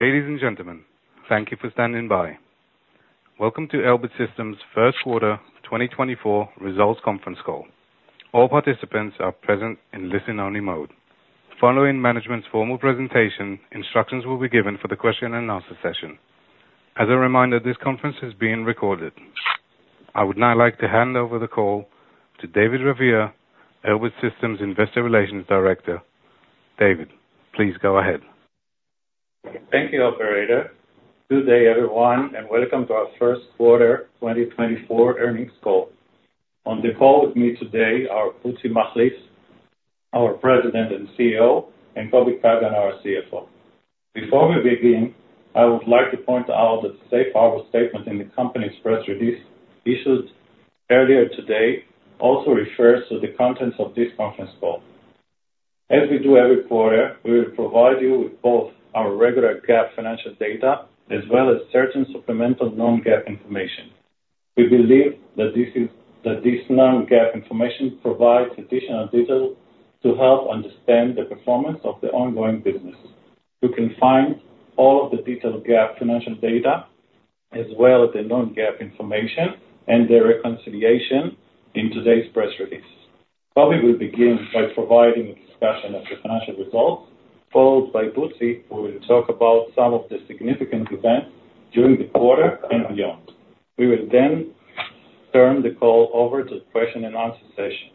Ladies and gentlemen, thank you for standing by. Welcome to Elbit Systems' Q1 2024 Results Conference Call. All participants are present in listen-only mode. Following management's formal presentation, instructions will be given for the question and answer session. As a reminder, this conference is being recorded. I would now like to hand over the call to David Ravier, Elbit Systems Investor Relations Director. David, please go ahead. Thank you, operator. Good day, everyone, and welcome to our Q1 2024 Earnings Call. On the call with me today are Butzi Machlis, our President and CEO, and Kobi Kagan, our CFO. Before we begin, I would like to point out that the safe harbor statement in the company's press release issued earlier today also refers to the contents of this conference call. As we do every quarter, we will provide you with both our regular GAAP financial data as well as certain supplemental non-GAAP information. We believe that this is, that this non-GAAP information provides additional detail to help understand the performance of the ongoing business. You can find all of the detailed GAAP financial data, as well as the non-GAAP information and the reconciliation in today's press release. Kobi will begin by providing a discussion of the financial results, followed by Butzi, who will talk about some of the significant events during the quarter and beyond. We will then turn the call over to question and answer session.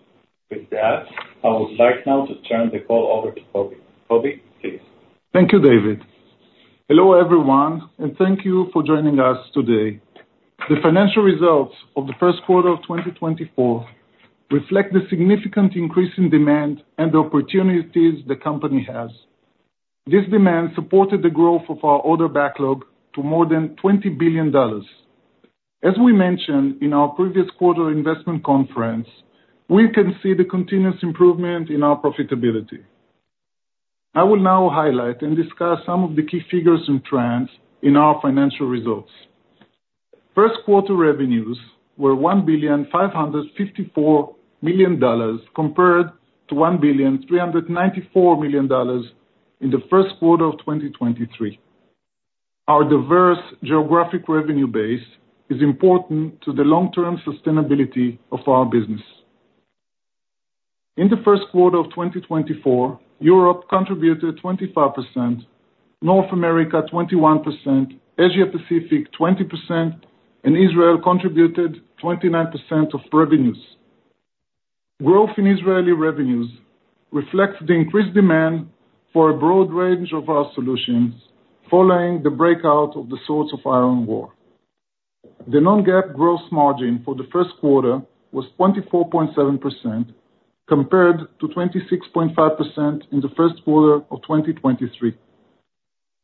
With that, I would like now to turn the call over to Kobi. Kobi, please. Thank you, David. Hello, everyone, and thank you for joining us today. The financial results of the Q1 of 2024 reflect the significant increase in demand and the opportunities the company has. This demand supported the growth of our order backlog to more than $20 billion. As we mentioned in our previous quarter investment conference, we can see the continuous improvement in our profitability. I will now highlight and discuss some of the key figures and trends in our financial results. Q1 revenues were $1,554 million, compared to $1,394 million in the Q1 of 2023. Our diverse geographic revenue base is important to the long-term sustainability of our business. In the Q1 of 2024, Europe contributed 25%, North America 21%, Asia Pacific 20%, and Israel contributed 29% of revenues. Growth in Israeli revenues reflects the increased demand for a broad range of our solutions following the breakout of the Swords of Iron war. The non-GAAP gross margin for the Q1 was 24.7%, compared to 26.5% in the Q1 of 2023.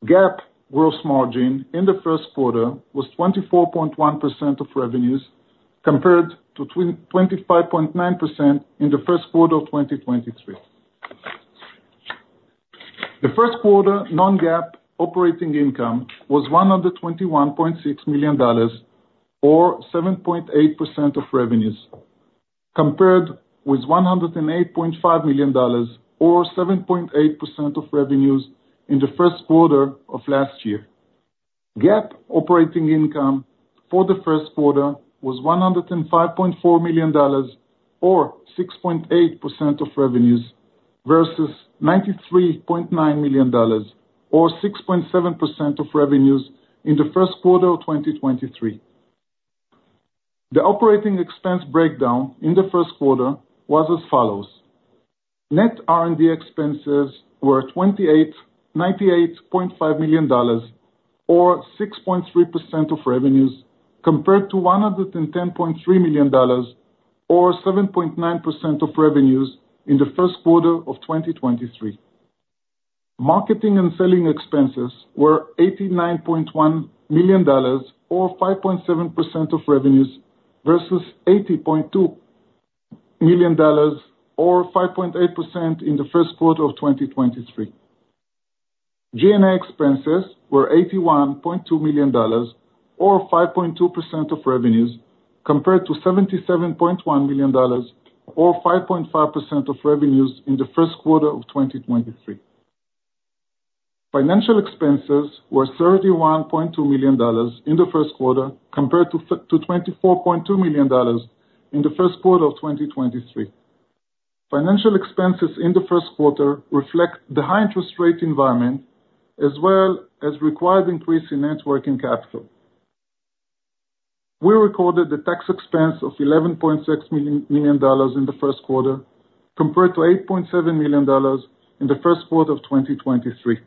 GAAP gross margin in the Q1 was 24.1% of revenues, compared to 25.9% in the Q1 of 2023. The Q1 non-GAAP operating income was $121.6 million, or 7.8% of revenues, compared with $108.5 million, or 7.8% of revenues in the Q1 of last year. GAAP operating income for the Q1 was $105.4 million, or 6.8% of revenues, versus $93.9 million, or 6.7% of revenues, in the Q1 of 2023. The operating expense breakdown in the Q1 was as follows: Net R&D expenses were $89.85 million, or 6.3% of revenues, compared to $110.3 million, or 7.9% of revenues, in the Q1 of 2023. Marketing and selling expenses were $89.1 million, or 5.7% of revenues, versus $80.2 million, or 5.8% in the Q1 of 2023. G&A expenses were $81.2 million, or 5.2% of revenues, compared to $77.1 million, or 5.5% of revenues, in the Q1 of 2023. Financial expenses were $31.2 million in the Q1, compared to $24.2 million in the Q1 of 2023. Financial expenses in the Q1 reflect the high interest rate environment, as well as required increase in net working capital. We recorded a tax expense of $11.6 million in the Q1, compared to $8.7 million in the Q1 of 2023.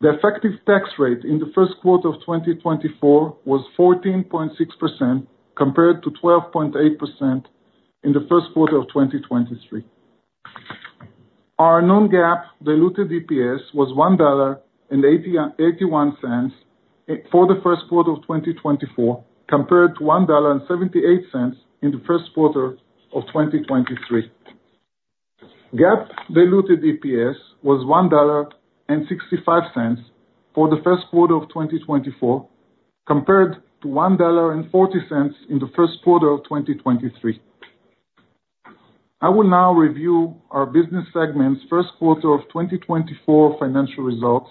The effective tax rate in the Q1 of 2024 was 14.6%, compared to 12.8% in the Q1 of 2023. Our non-GAAP diluted EPS was $1.81 for the Q1 of 2024, compared to $1.78 in the Q1 of 2023. GAAP diluted EPS was $1.65 for the Q1 of 2024, compared to $1.40 in the Q1 of 2023. I will now review our business segment's Q1 of 2024 financial results,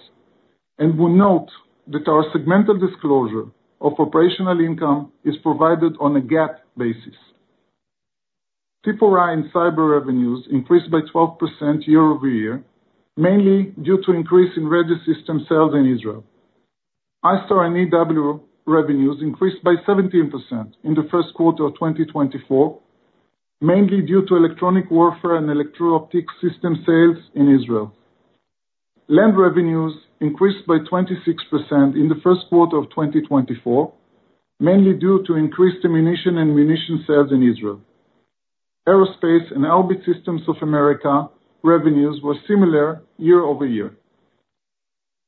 and will note that our segmental disclosure of operational income is provided on a GAAP basis. C4I and Cyber revenues increased by 12% year-over-year, mainly due to increase in radar system sales in Israel. ISTAR and EW revenues increased by 17% in the Q1 of 2024, mainly due to electronic warfare and electro-optic system sales in Israel. Land revenues increased by 26% in the Q1 of 2024, mainly due to increased ammunition and munition sales in Israel. Aerospace and Elbit Systems of America revenues were similar year-over-year.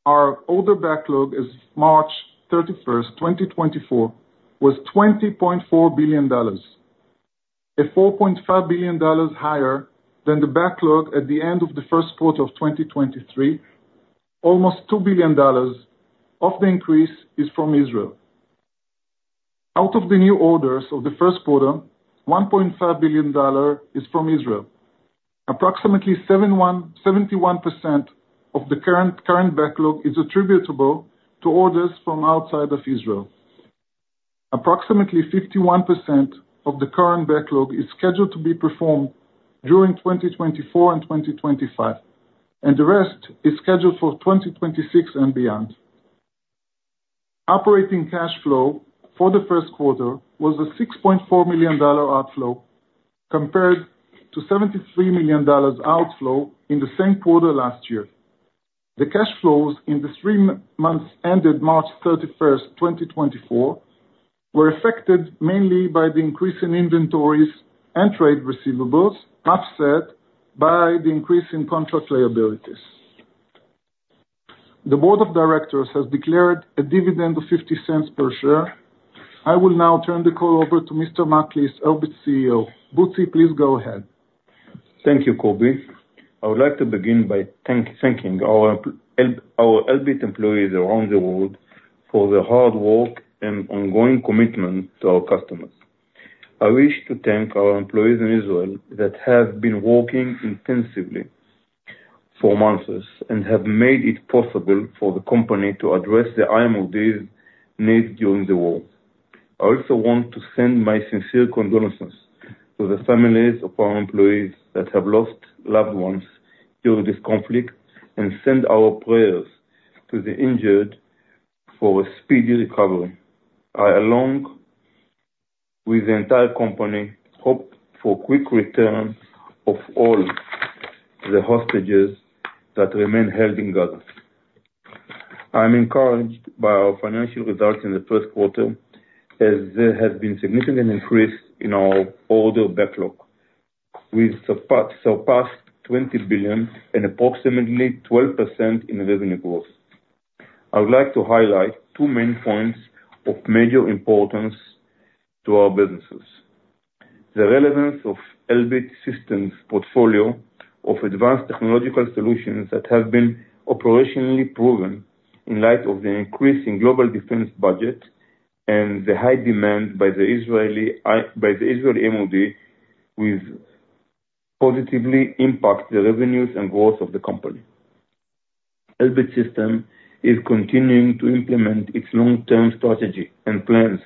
Our order backlog as of March 31, 2024, was $20.4 billion, $4.5 billion higher than the backlog at the end of the Q1 of 2023. Almost $2 billion of the increase is from Israel. Out of the new orders of the Q1, $1.5 billion is from Israel. Approximately 71% of the current backlog is attributable to orders from outside of Israel. Approximately 51% of the current backlog is scheduled to be performed during 2024 and 2025, and the rest is scheduled for 2026 and beyond. Operating cash flow for the Q1 was a $6.4 million outflow, compared to $73 million outflow in the same quarter last year. The cash flows in the three months ended March 31, 2024, were affected mainly by the increase in inventories and trade receivables, offset by the increase in contract liabilities. The board of directors has declared a dividend of $0.50 per share. I will now turn the call over to Mr. Machlis, Elbit CEO. Butzi, please go ahead. Thank you, Kobi. I would like to begin by thanking our Elbit employees around the world for their hard work and ongoing commitment to our customers. I wish to thank our employees in Israel that have been working intensively for months, and have made it possible for the company to address the IMOD's needs during the war. I also want to send my sincere condolences to the families of our employees that have lost loved ones during this conflict, and send our prayers to the injured for a speedy recovery. I, along with the entire company, hope for quick return of all the hostages that remain held in Gaza. I'm encouraged by our financial results in the Q1, as there has been significant increase in our order backlog. We've surpassed $20 billion and approximately 12% in revenue growth. I would like to highlight two main points of major importance to our businesses. The relevance of Elbit Systems' portfolio of advanced technological solutions that have been operationally proven in light of the increasing global defense budget, and the high demand by the Israeli MOD, will positively impact the revenues and growth of the company. Elbit Systems is continuing to implement its long-term strategy and plans,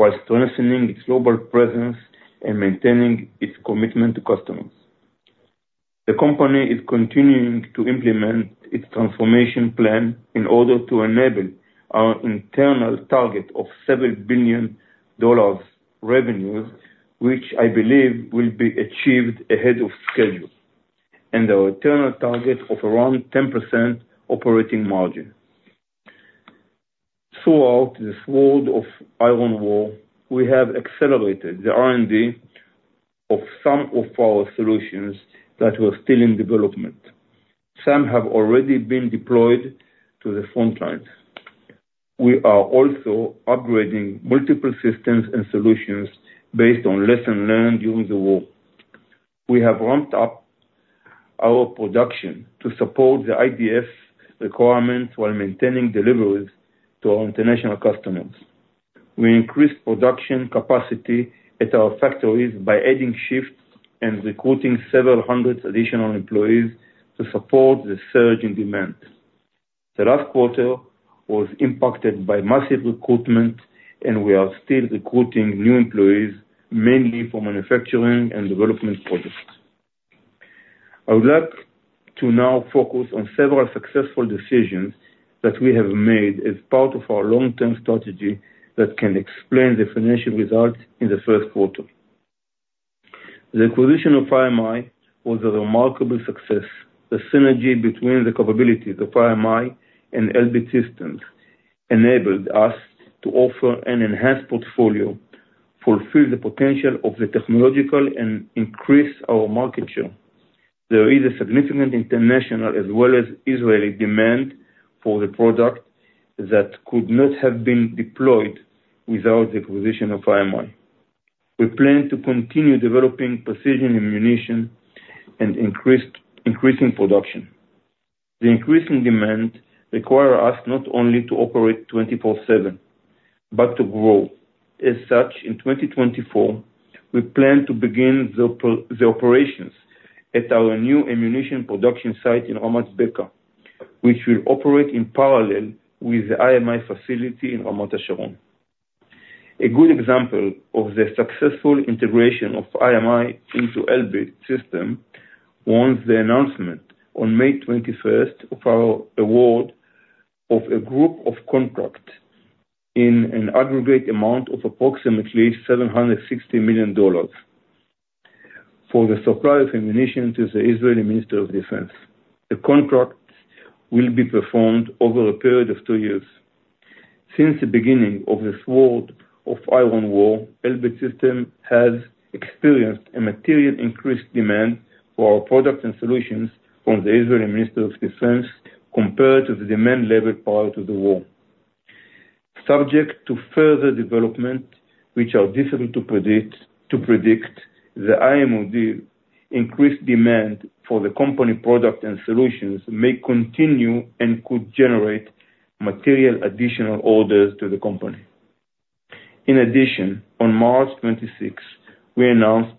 while strengthening its global presence and maintaining its commitment to customers. The company is continuing to implement its transformation plan in order to enable our internal target of $7 billion revenue, which I believe will be achieved ahead of schedule, and our internal target of around 10% operating margin. Throughout this Swords of Iron War, we have accelerated the R&D of some of our solutions that were still in development. Some have already been deployed to the front lines. We are also upgrading multiple systems and solutions based on lessons learned during the war. We have ramped up our production to support the IDF's requirements while maintaining deliveries to our international customers. We increased production capacity at our factories by adding shifts and recruiting several hundred additional employees to support the surge in demand. The last quarter was impacted by massive recruitment, and we are still recruiting new employees, mainly for manufacturing and development projects. I would like to now focus on several successful decisions that we have made as part of our long-term strategy, that can explain the financial results in the Q1. The acquisition of IMI was a remarkable success. The synergy between the capabilities of IMI and Elbit Systems enabled us to offer an enhanced portfolio, fulfill the potential of the technological, and increase our market share. There is a significant international as well as Israeli demand for the product that could not have been deployed without the acquisition of IMI. We plan to continue developing precision ammunition and increasing production. The increasing demand require us not only to operate 24/7, but to grow. As such, in 2024, we plan to begin the operations at our new ammunition production site in Ramat Beka, which will operate in parallel with the IMI facility in Ramat Hasharon. A good example of the successful integration of IMI into Elbit Systems was the announcement on May twenty-first, of our award of a group of contracts in an aggregate amount of approximately $760 million, for the supply of ammunition to the Israeli Ministry of Defense. The contract will be performed over a period of two years. Since the beginning of the Swords of Iron War, Elbit Systems has experienced a material increased demand for our products and solutions from the Israeli Ministry of Defense, compared to the demand level prior to the war. Subject to further developments, which are difficult to predict, the IMOD increased demand for the company products and solutions may continue and could generate material additional orders to the company. In addition, on March 26, we announced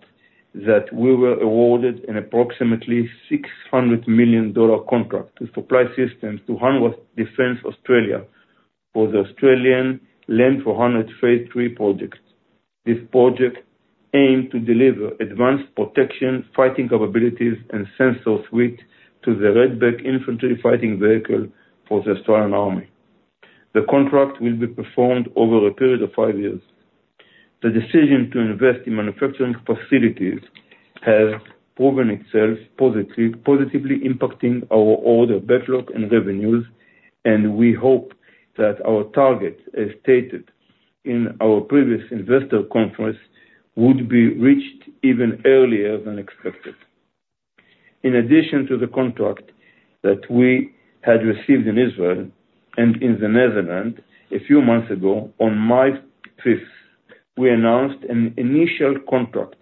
that we were awarded an approximately $600 million contract to supply systems to Hanwha Defense Australia, for the Australian Land 400 Phase III project. This project aim to deliver advanced protection, fighting capabilities and sensor suite to the Redback infantry fighting vehicle for the Australian Army. The contract will be performed over a period of five years. The decision to invest in manufacturing facilities has proven itself positively, positively impacting our order backlog and revenues, and we hope that our targets, as stated in our previous investor conference, would be reached even earlier than expected. In addition to the contract that we had received in Israel and in the Netherlands, a few months ago, on May 5, we announced an initial contract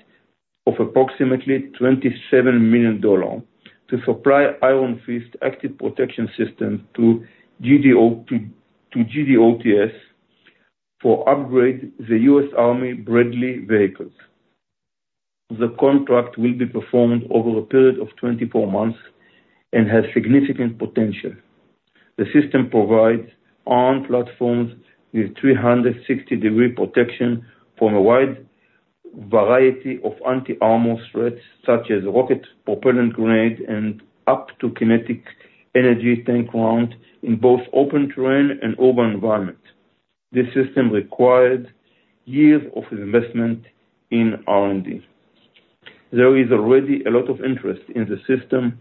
of approximately $27 million to supply Iron Fist active protection system to GDOTS for upgrade the US Army Bradley vehicles. The contract will be performed over a period of 24 months and has significant potential. The system provides armed platforms with 360 degree protection from a wide variety of anti-armor threats, such as rocket-propelled grenade, and up to kinetic energy tank round, in both open terrain and urban environment. This system required years of investment in R&D. There is already a lot of interest in the system,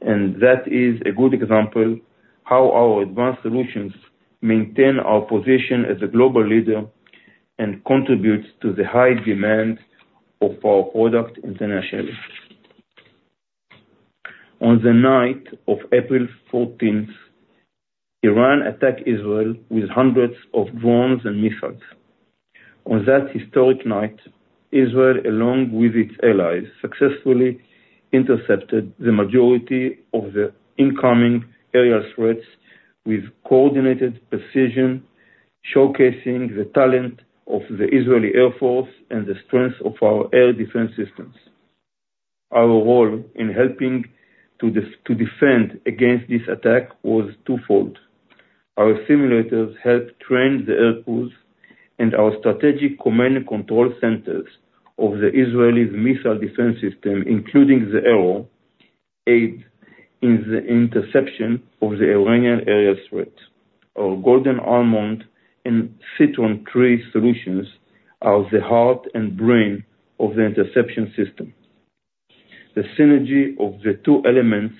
and that is a good example how our advanced solutions maintain our position as a global leader and contributes to the high demand of our product internationally. On the night of April 14th, Iran attacked Israel with hundreds of drones and missiles. On that historic night, Israel, along with its allies, successfully intercepted the majority of the incoming aerial threats with coordinated precision, showcasing the talent of the Israeli Air Force and the strength of our air defense systems. Our role in helping to defend against this attack was twofold. Our simulators helped train the air force and our strategic command and control centers of the Israeli Missile Defense System, including the Arrow, aid in the interception of the Iranian aerial threat. Our Golden Almond and Citron Tree solutions are the heart and brain of the interception system. The synergy of the two elements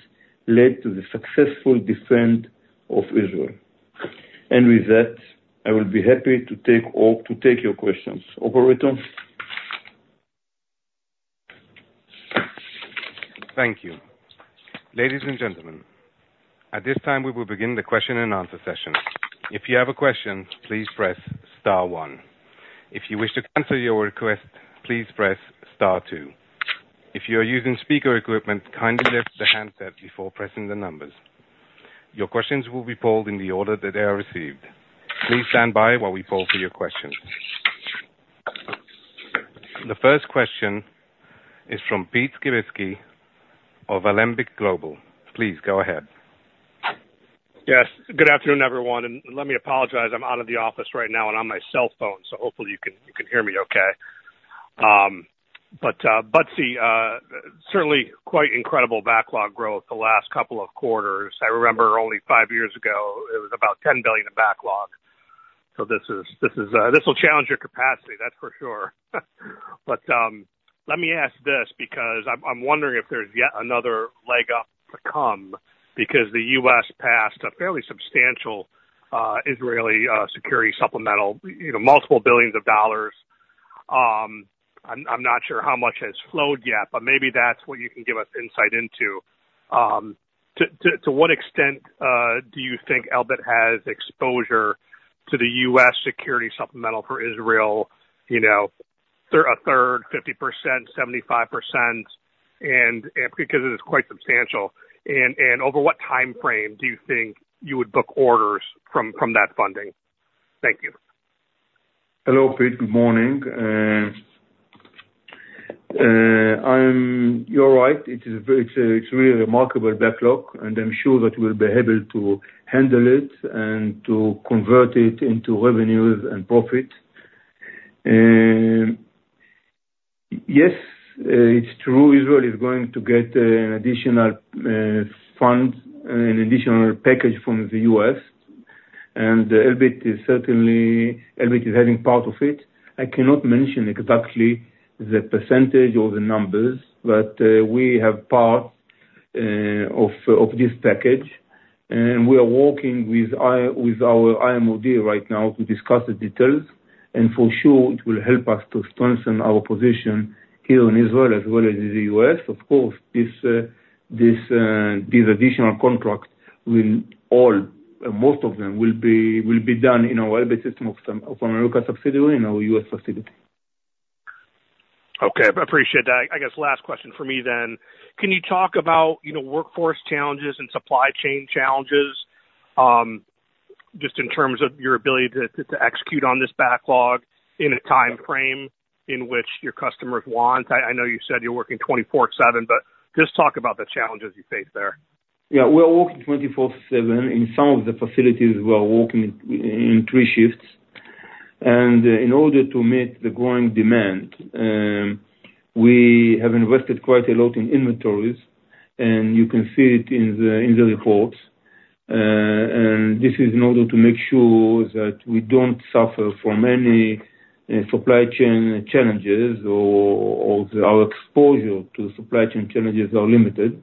led to the successful defend of Israel. And with that, I will be happy to take your questions. Operator? Thank you. Ladies and gentlemen, at this time, we will begin the question and answer session. If you have a question, please press star one. If you wish to cancel your request, please press star two. If you are using speaker equipment, kindly lift the handset before pressing the numbers. Your questions will be polled in the order that they are received. Please stand by while we poll for your questions. The first question is from Pete Skibitski of Alembic Global. Please go ahead. Yes, good afternoon, everyone, and let me apologize. I'm out of the office right now and on my cell phone, so hopefully you can hear me okay. But, Butzi, certainly quite incredible backlog growth the last couple of quarters. I remember only five years ago, it was about $10 billion in backlog. So this is, this will challenge your capacity, that's for sure. But, let me ask this, because I'm wondering if there's yet another leg up to come, because the U.S. passed a fairly substantial, Israeli, security supplemental, you know, multiple billions of dollars. I'm not sure how much has flowed yet, but maybe that's what you can give us insight into. To what extent do you think Elbit has exposure to the U.S. security supplemental for Israel, you know? There a third, 50%, 75%, and because it is quite substantial, and over what time frame do you think you would book orders from that funding? Thank you. Hello, Pete. Good morning. You're right. It is a really remarkable backlog, and I'm sure that we'll be able to handle it and to convert it into revenues and profit. Yes, it's true, Israel is going to get additional funds, an additional package from the U.S., and Elbit is certainly, Elbit is having part of it. I cannot mention exactly the percentage or the numbers, but we have part of this package, and we are working with our IMOD right now to discuss the details, and for sure, it will help us to strengthen our position here in Israel as well as in the U.S. Of course, these additional contracts will all, most of them, will be done in our Elbit Systems of America subsidiary, in our U.S. subsidiary. Okay. I appreciate that. I guess last question for me then. Can you talk about, you know, workforce challenges and supply chain challenges, just in terms of your ability to execute on this backlog in a time frame in which your customers want? I know you said you're working 24/7, but just talk about the challenges you face there. Yeah, we are working 24/7. In some of the facilities, we are working in three shifts. In order to meet the growing demand, we have invested quite a lot in inventories, and you can see it in the reports. This is in order to make sure that we don't suffer from any supply chain challenges or our exposure to supply chain challenges are limited.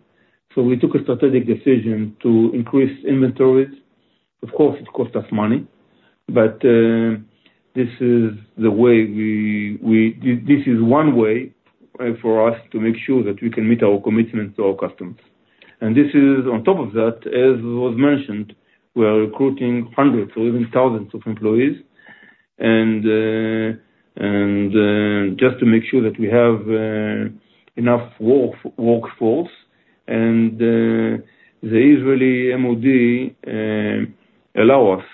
So we took a strategic decision to increase inventories. Of course, it cost us money, but this is the way we this is one way for us to make sure that we can meet our commitment to our customers. And this is, on top of that, as was mentioned, we are recruiting hundreds or even thousands of employees, and just to make sure that we have enough workforce. And the IMOD allows us,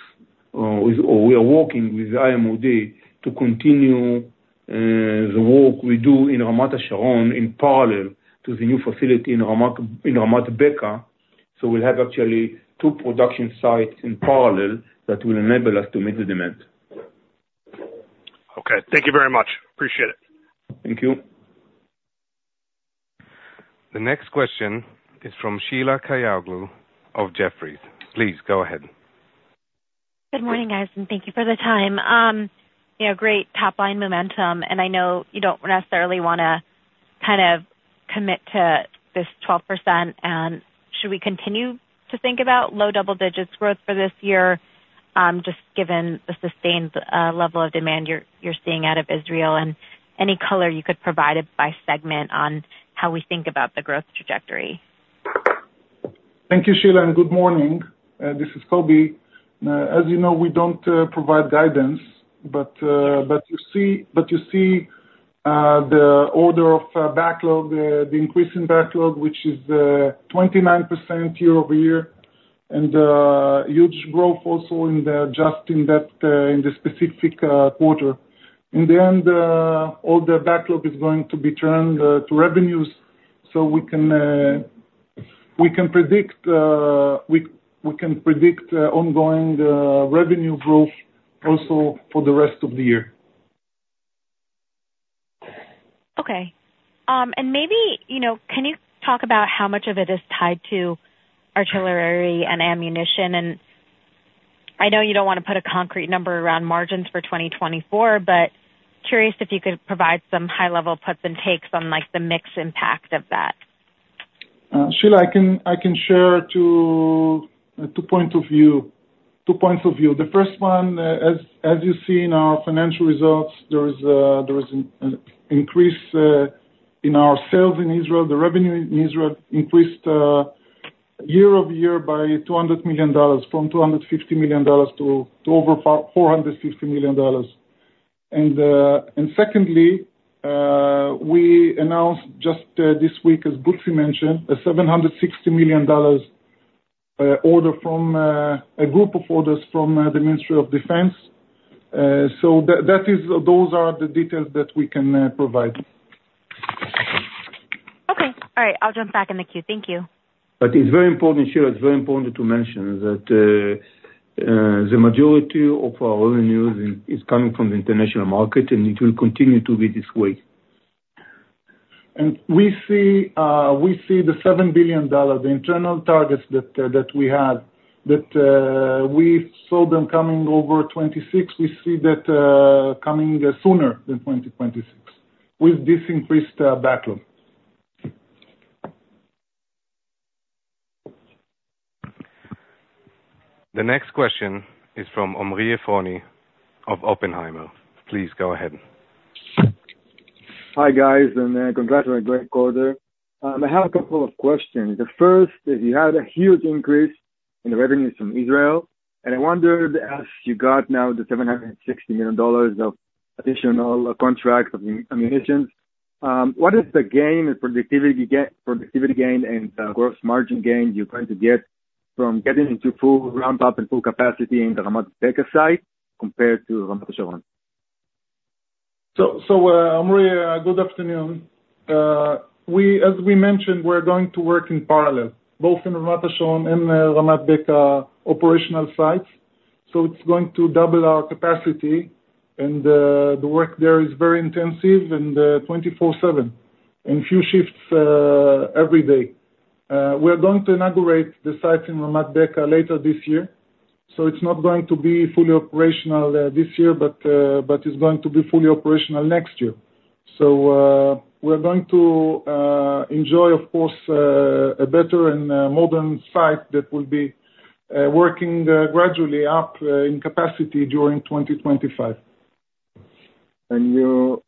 or we are working with the IMOD to continue the work we do in Ramat Hasharon in parallel to the new facility in Ramat Beka. So we'll have actually two production sites in parallel that will enable us to meet the demand. Okay. Thank you very much. Appreciate it. Thank you. The next question is from Sheila Kahyaoglu of Jefferies. Please go ahead. Good morning, guys, and thank you for the time. You know, great top line momentum, and I know you don't necessarily wanna kind of commit to this 12%. And should we continue to think about low double digits growth for this year, just given the sustained level of demand you're seeing out of Israel? And any color you could provide it by segment on how we think about the growth trajectory. Thank you, Sheila, and good morning. This is Kobi. As you know, we don't provide guidance, but you see, the order backlog, the increase in backlog, which is 29% year over year, and huge growth also in just that specific quarter. In the end, all the backlog is going to be turned to revenues, so we can predict ongoing revenue growth also for the rest of the year. Okay. And maybe, you know, can you talk about how much of it is tied to artillery and ammunition? And I know you don't want to put a concrete number around margins for 2024, but curious if you could provide some high-level puts and takes on, like, the mix impact of that. Sheila, I can share two points of view. The first one, as you see in our financial results, there is an increase in our sales in Israel. The revenue in Israel increased year-over-year by $200 million, from $250 million to over $450 million. And secondly, we announced just this week, as Butzi mentioned, a $760 million order from a group of orders from the Ministry of Defense. So that is, those are the details that we can provide. Okay. All right, I'll jump back in the queue. Thank you. But it's very important, Sheila, it's very important to mention that the majority of our revenues is coming from the international market, and it will continue to be this way. And we see, we see the $7 billion, the internal targets that, that we had, that, we saw them coming over 2026. We see that, coming sooner than 2026 with this increased backlog. The next question is from Omri Efroni of Oppenheimer. Please go ahead. Hi, guys, and congrats on a great quarter. I have a couple of questions. The first is, you had a huge increase in the revenues from Israel, and I wondered, as you got now the $760 million of additional contracts of ammunition, what is the gain and productivity gain, productivity gain and gross margin gain you're going to get from getting into full ramp-up and full capacity in the Ramat Beka site compared to Ramat Hasharon? So, Omri, good afternoon. As we mentioned, we're going to work in parallel, both in Ramat Hasharon and Ramat Beka operational sites, so it's going to double our capacity, and the work there is very intensive and 24/7, in few shifts, every day. We're going to inaugurate the site in Ramat Beka later this year, so it's not going to be fully operational this year, but it's going to be fully operational next year. So, we're going to enjoy, of course, a better and modern site that will be working gradually up in capacity during 2025. You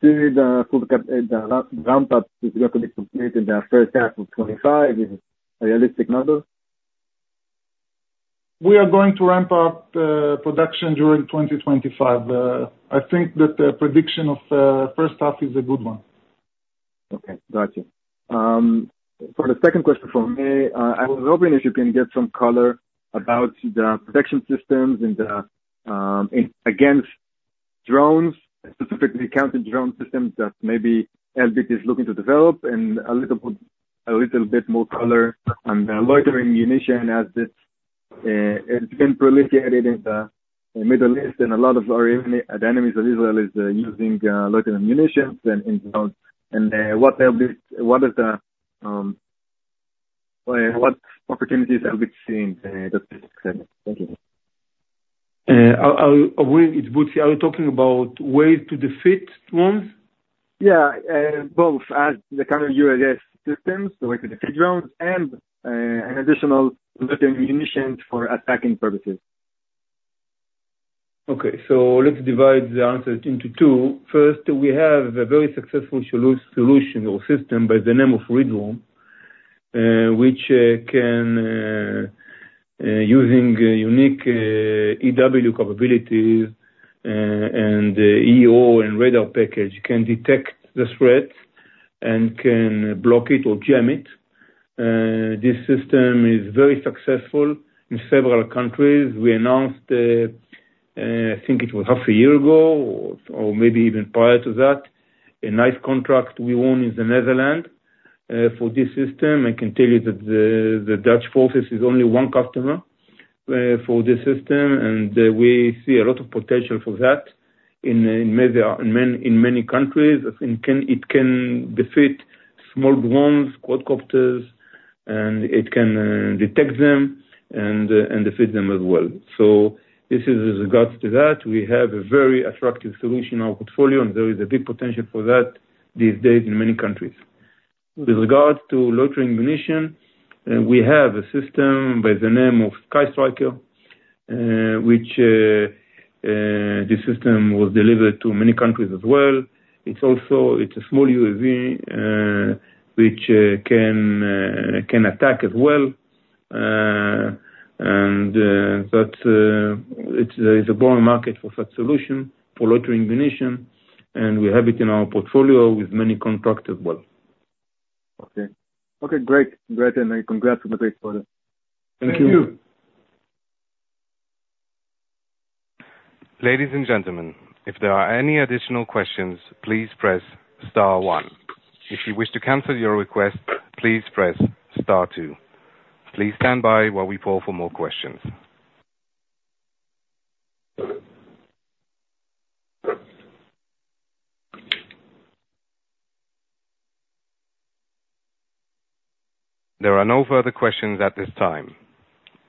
see the full ramp-up is going to be completed in the first half of 2025, is a realistic number? We are going to ramp up production during 2025. I think that the prediction of first half is a good one. Okay, gotcha. So the second question from me, I was hoping if you can get some color about the protection systems and against drones, specifically counter-drone systems, that maybe Elbit is looking to develop. And a little bit, a little bit more color on the loitering munition, as it's been proliferated in the Middle East, and a lot of our enemy, the enemies of Israel is using loitering munitions and drones. And what opportunities Elbit seeing in that sector? Thank you. Omri, it's Butzi. Are you talking about ways to defeat drones? Yeah, both. As the kind of UAS systems, the way to defeat drones, and an additional loitering munition for attacking purposes. Okay. So let's divide the answer into two. First, we have a very successful solution or system by the name of ReDrone, which, using unique EW capabilities, and EO and radar package, can detect the threat and can block it or jam it. This system is very successful in several countries. We announced, I think it was half a year ago or maybe even prior to that, a nice contract we won in the Netherlands, for this system. I can tell you that the Dutch forces is only one customer, for this system, and we see a lot of potential for that in many countries. It can defeat small drones, quadcopters, and it can detect them and defeat them as well. So this is with regards to that. We have a very attractive solution in our portfolio, and there is a big potential for that these days in many countries. With regards to loitering munition, we have a system by the name of SkyStriker. This system was delivered to many countries as well. It's also a small UAV, which can attack as well. But it's a growing market for that solution, for loitering munition, and we have it in our portfolio with many contracts as well. Okay. Okay, great. Great, and, congrats on the great quarter. Thank you. Ladies and gentlemen, if there are any additional questions, please press star one. If you wish to cancel your request, please press star two. Please stand by while we poll for more questions. There are no further questions at this time.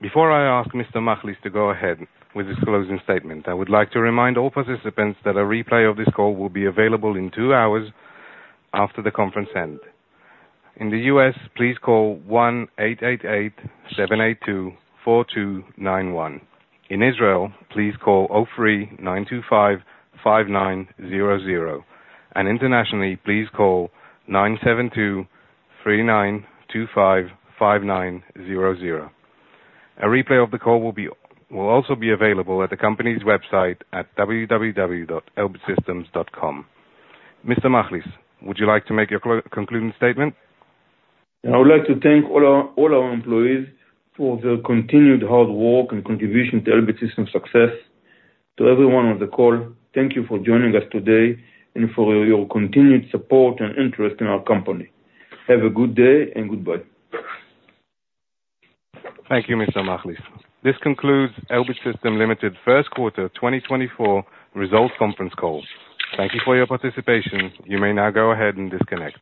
Before I ask Mr. Machlis to go ahead with his closing statement, I would like to remind all participants that a replay of this call will be available in two hours after the conference end. In the US, please call 1-888-782-4291. In Israel, please call 03-925-5900. Internationally, please call 972-3-925-5900. A replay of the call will be, will also be available at the company's website at www.elbitsystems.com. Mr. Machlis, would you like to make your concluding statement? I would like to thank all our, all our employees for their continued hard work and contribution to Elbit Systems' success. To everyone on the call, thank you for joining us today and for your continued support and interest in our company. Have a good day, and goodbye. Thank you, Mr. Machlis. This concludes Elbit Systems Ltd's Q1 2024 results conference call. Thank you for your participation. You may now go ahead and disconnect.